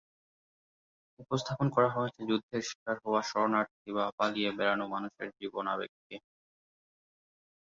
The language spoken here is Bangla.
উপস্থাপন করা হয়েছে যুদ্ধের স্বীকার হওয়া শরণার্থী বা পালিয়ে বেড়ানো মানুষের জীবনাবেগকে।